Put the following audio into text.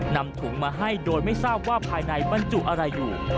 นำถุงมาให้โดยไม่ทราบว่าภายในบรรจุอะไรอยู่